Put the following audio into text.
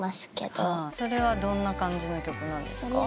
それはどんな感じの曲なんですか？